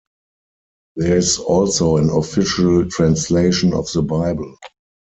There is also an official translation of the Bible.